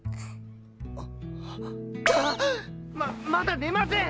ままだ寝ません！